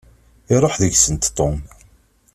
Iṛuḥ deg-sent Tom.